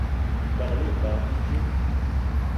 Begela ebag bíjé